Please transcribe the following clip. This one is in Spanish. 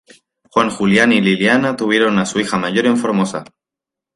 Juan Julián y Liliana tuvieron a su hija mayor en Formosa.